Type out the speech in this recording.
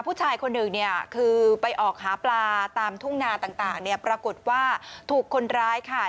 ผู้ชายคนหนึ่งเนี่ยคือไปออกหาปลาตามทุ่งนาต่างเนี่ยปรากฏว่าถูกคนร้ายค่ะ